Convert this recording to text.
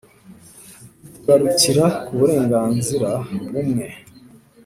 kugarukira ku burenganzira bumwe